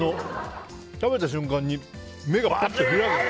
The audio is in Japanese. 食べた瞬間に目がパッと開く。